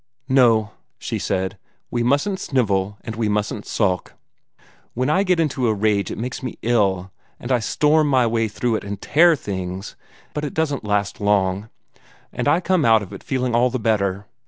"No," she said. "We mustn't snivel, and we mustn't sulk. When I get into a rage it makes me ill, and I storm my way through it and tear things, but it doesn't last long, and I come out of it feeling all the better.